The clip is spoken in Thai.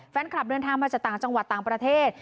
แฟนคลับเดินทางมาจากต่างจังหวัดต่างประเทศ